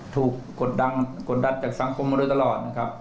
ถูกกดดัดจากสังคมมาด้วยตลอดนะครับ